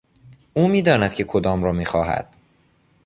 او میداند که کدام را میخواهد.